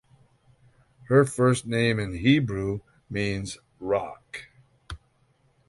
Her first name in Hebrew means "rock".